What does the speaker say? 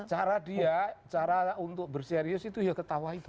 cara dia cara untuk berserius itu ya ketawa itu